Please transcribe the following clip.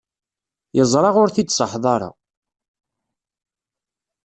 Yeẓra ur t-id-ṣaḥeḍ ara.